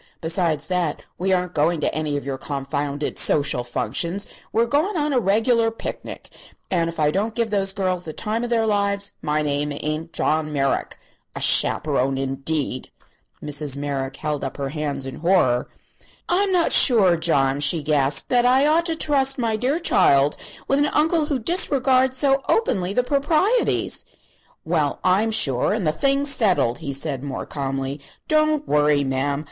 Besides that, we aren't going to any of your confounded social functions; we're going on a reg'lar picnic, and if I don't give those girls the time of their lives my name ain't John Merrick. A chaperone, indeed!" Mrs. Merrick held up her hands in horror. "I'm not sure, John," she gasped, "that I ought to trust my dear child with an uncle who disregards so openly the proprieties." "Well, I'm sure; and the thing's settled," he said, more calmly. "Don't worry, ma'am.